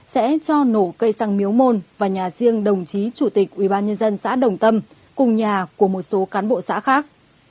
sẽ cho nổ cây xăng miếu môn và nhà riêng đồng chí chủ tịch ubnd xã đồng tâm cùng nhà của một số cán bộ xã khác